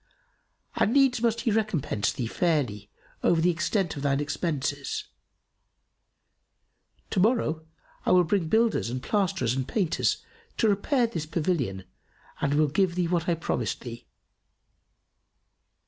And needs must he recompense thee fairly over the extent of thine expenses. To morrow I will bring builders and plasterers and painters to repair this pavilion and will give thee what I promised thee."